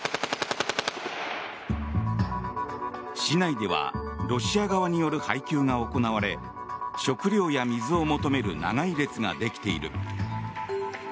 市内ではロシア側による配給が行われ食料や水を求める長い列ができている。